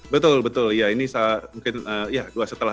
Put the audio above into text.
betul betul ya ini setelah dua tahun ini benar